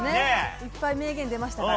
いっぱい名言が出ましたから。